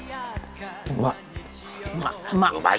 うまい！